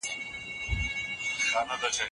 لويديځه نړۍ د تيارو څخه راووتله.